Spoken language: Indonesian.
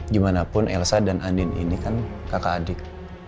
dimanapun elsa dan andin ini kan kakak adik